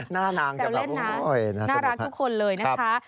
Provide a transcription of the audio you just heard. หน้าน้ำอย่างแบบโอ้โฮน่าสนุกค่ะนะคะแต่เล่นน้ำน่ารักทุกคนเลยนะคะ